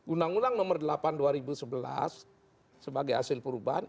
undang undang nomor delapan dua ribu sebelas sebagai hasil perubahan